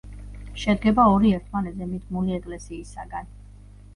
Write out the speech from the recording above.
შედგება ორი ერთმანეთზე მიდგმული ეკლესიისაგან.